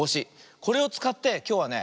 これをつかってきょうはね